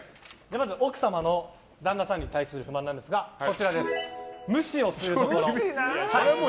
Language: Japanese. まず奥様の旦那様に対する不満なんですが無視をするところ。